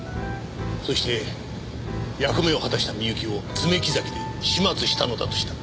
そして役目を果たしたみゆきを爪木崎で始末したのだとしたら。